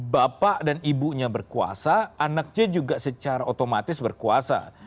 bapak dan ibunya berkuasa anaknya juga secara otomatis berkuasa